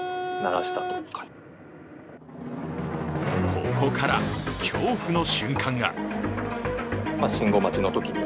ここから、恐怖の瞬間が。